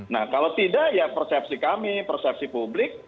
nah kalau tidak ya persepsi kami persepsi publik